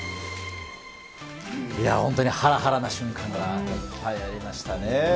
本当にはらはらな瞬間がいっぱいありましたね。